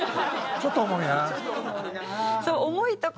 ちょっと重いな。